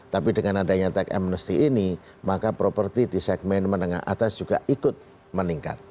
tapi dengan adanya tax amnesty ini maka properti di segmen menengah atas juga ikut meningkat